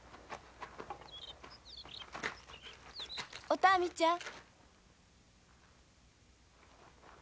おたみちゃん。